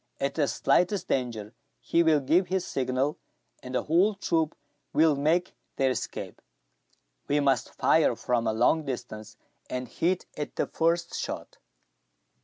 At the slightest danger, he will give his signal, and the whole troop will make their escape. We must fire from a long distance, and hit at the first shot."